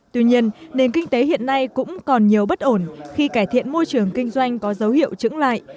tuy nhiên nền kinh tế hiện nay cũng còn nhiều bất ổn khi cải thiện môi trường kinh doanh có dấu hiệu trứng lại